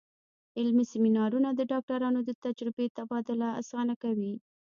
علمي سیمینارونه د ډاکټرانو د تجربې تبادله اسانه کوي.